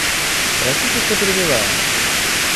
Простите, что перебиваю.